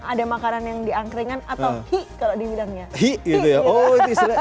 ada makanan yang diangkringan atau hi kalau di bilangnya